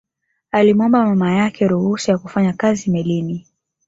Alimuomba mama yake ruhusa ya kufanya kazi melini